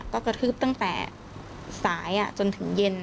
ก็กระทืบตั้งแต่สายจนถึงเย็น